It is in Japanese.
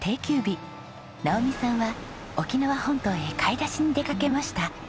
直己さんは沖縄本島へ買い出しに出かけました。